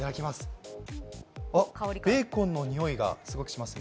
あっ、ベーコンのにおいがすごくしますね。